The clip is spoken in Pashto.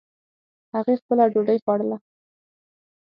هغې خپله ډوډۍ خوړله